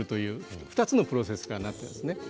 ２つのプロセスからなっています。